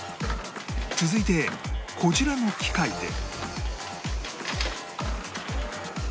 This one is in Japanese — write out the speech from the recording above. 続いてこちらの機械で